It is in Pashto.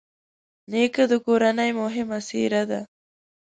نیکه د کورنۍ مهمه څېره ده.